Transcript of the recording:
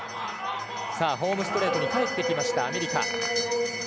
ホームストレートに帰ってきました、アメリカ。